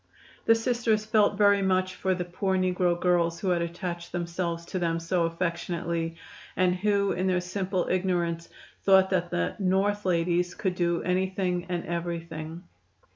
The Sisters felt very much for the poor negro girls who had attached themselves to them so affectionately, and who in their simple ignorance thought that the "North ladies" could do anything and everything.